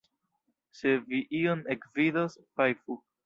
Se vi iun ekvidos, fajfu!